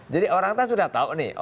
jadi orang itu sudah tahu nih